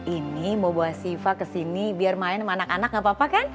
ini mau bawa siva kesini biar main sama anak anak gak apa apa kan